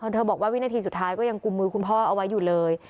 เธอบอกว่าวินาทีสุดท้ายก็ยังกุมมือคุณพ่อเอาไว้อยู่เลย